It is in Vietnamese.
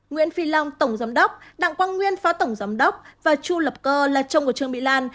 nguyễn phi long tổng giám đốc đặng quang nguyên phó tổng giám đốc và chu lập cơ là chồng của trương mỹ lan